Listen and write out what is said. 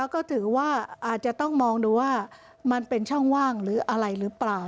ก็ถือว่าอาจจะต้องมองดูว่ามันเป็นช่องว่างหรืออะไรหรือเปล่า